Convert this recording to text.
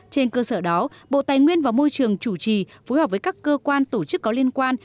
trên cơ sở đó bộ tài nguyên và môi trường chủ trì phối hợp với các cơ quan tổ chức có liên quan